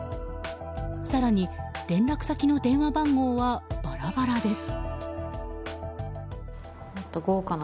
更に、連絡先の電話番号はバラバラです。